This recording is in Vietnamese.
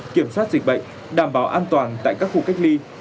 kiểm soát dịch bệnh đảm bảo an toàn tại các khu cách ly